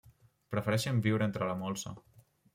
Prefereixen viure entre la molsa.